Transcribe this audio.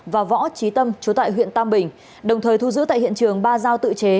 và võ trí tâm chú tại huyện tam bình đồng thời thu giữ tại hiện trường ba dao tự chế